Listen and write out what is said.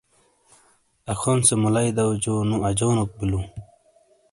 اخون سے مُلئی دو جو نو اجونوک بیلو۔